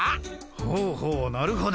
ほうほうなるほど。